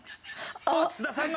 津田さんが！」。